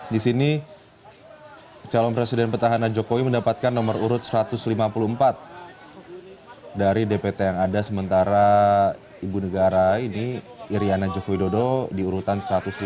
di sini calon presiden petahana jokowi mendapatkan nomor urut satu ratus lima puluh empat dari dpt yang ada sementara ibu negara ini iryana joko widodo diurutan satu ratus lima puluh